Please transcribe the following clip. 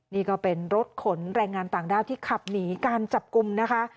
นี่ก็เป็นรถขนแรงงานต่างด้าวที่ขับหนีการจับกลุ่มนะคะ